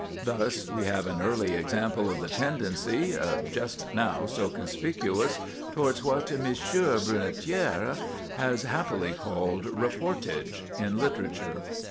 Thus we have an early example of the tendency, just now so conspicuous, towards what M. Brunetière has happily called "reportage" in literature.